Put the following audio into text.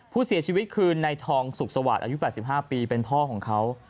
ผู้เสียชีวิตคือในทองสุขสวัสดิ์อายุ๘๕ปีเป็นพ่อของเขา